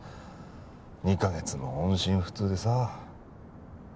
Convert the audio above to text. ２か月も音信不通でさ。